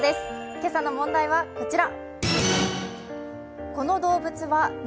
今朝の問題はこちら。